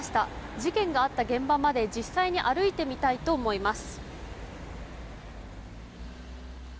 事件があった現場まで実際に歩いてみたいと思います。